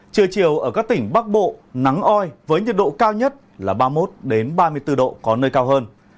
trưa chiều ở các tỉnh bắc bộ nắng oi với nhiệt độ cao nhất là ba mươi một ba mươi bốn độ có nơi cao hơn